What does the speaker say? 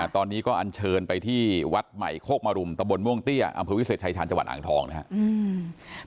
ตอนนี้ก็อันเชิญไปที่วัดใหม่โคกมรุมตะบนม่วงเตี้ยอำเภอวิเศษชายชาญจังหวัดอ่างทองนะครับ